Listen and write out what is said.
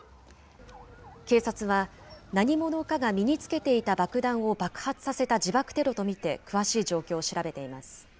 警察は、何者かが身につけていた爆弾を爆発させた自爆テロと見て、詳しい状況を調べています。